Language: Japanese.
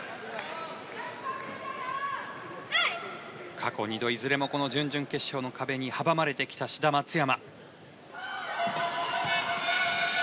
過去２度いずれもこの準々決勝の壁に阻まれてきた志田・松山。